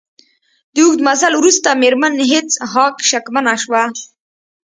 د اوږد مزل وروسته میرمن هیج هاګ شکمنه شوه